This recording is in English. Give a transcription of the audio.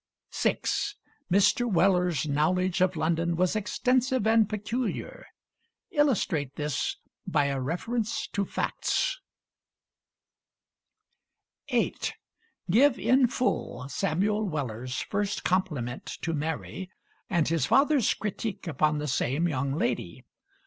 6. "Mr. Weller's knowledge of London was extensive and peculiar." Illustrate this by a reference to facts. 8. Give in full Samuel Weller's first compliment to Mary, and his father's critique upon the same young lady.